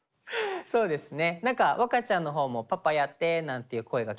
そうですね。